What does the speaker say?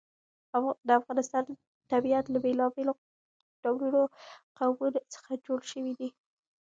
د افغانستان طبیعت له بېلابېلو ډولو قومونه څخه جوړ شوی دی.